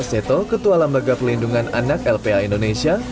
seto ketua lembaga pelindungan anak lpa indonesia